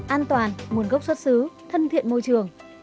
an toàn nguồn gốc xuất xứ thân thiện môi trường